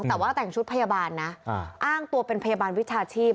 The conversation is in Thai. แต่ว่าแต่งชุดพยาบาลนะอ้างตัวเป็นพยาบาลวิชาชีพ